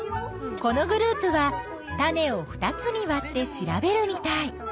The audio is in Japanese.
このグループは種を２つにわって調べるみたい。